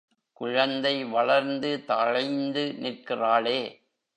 குழந்தை வளர்ந்து தழைந்து நிற்கிறாளே!